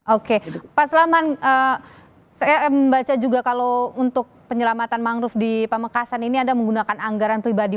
oke pak selamat saya membaca juga kalau untuk penyelamatan mangrove di pamekasan ini anda menggunakan anggaran pribadi